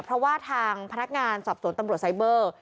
เพราะว่าทางพนักงานสอบสวนตำรวจไซเบอร์